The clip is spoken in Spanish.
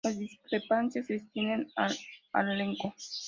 Las discrepancias se extienden al elenco.